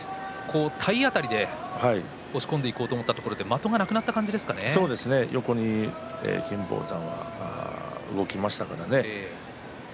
体当たりで押し込んでいこうと思ったところにそうですね、横に金峰山が動きましたからね。